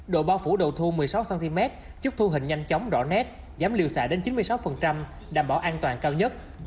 độ bao phủ đầu thu một mươi sáu cm giúp thu hình nhanh chóng rõ nét giảm liều xạ đến chín mươi sáu đảm bảo an toàn cao nhất